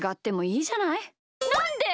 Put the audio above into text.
なんで？